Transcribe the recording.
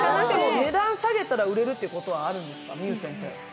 値段を下げたら売れるっていうことはあるんですか？